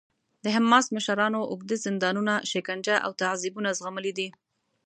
د حماس مشرانو اوږده زندانونه، شکنجه او تعذیبونه زغملي دي.